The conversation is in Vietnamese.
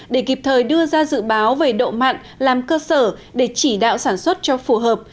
để kịp thời đưa ra dự báo về độ mặn làm cơ sở để chỉ đạo sản xuất cho phù hợp